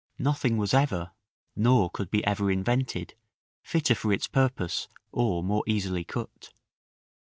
Nothing was ever, nor could be ever invented, fitter for its purpose, or more easily cut.